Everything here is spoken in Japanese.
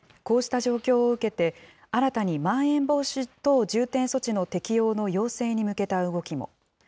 こうした状況を受けて、新たにまん延防止等重点措置の適用の要請に向けた動きも。